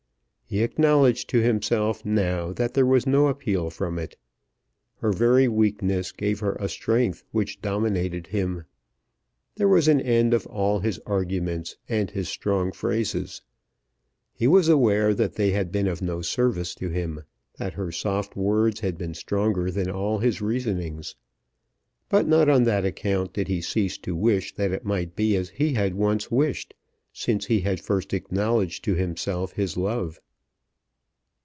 He acknowledged to himself now that there was no appeal from it. Her very weakness gave her a strength which dominated him. There was an end of all his arguments and his strong phrases. He was aware that they had been of no service to him, that her soft words had been stronger than all his reasonings. But not on that account did he cease to wish that it might be as he had once wished, since he had first acknowledged to himself his love.